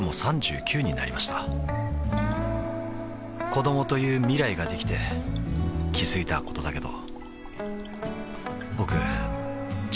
子どもという未来ができて気づいたことだけど